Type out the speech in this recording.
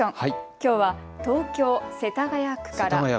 きょうは東京世田谷区から。